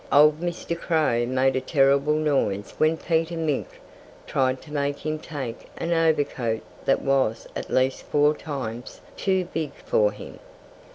Old Mr. Crow made a terrible noise when Peter Mink tried to make him take an overcoat that was at least four times too big for him.